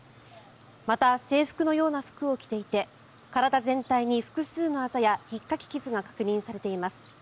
また、制服のような服を着ていて体全体に複数のあざやひっかき傷が確認されています。